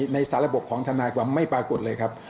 ในสารบของทนายความไม่ปรากฏเลยครับ